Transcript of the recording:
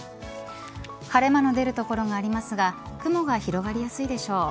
晴れ間の出る所がありますが雲が広がりやすいでしょう。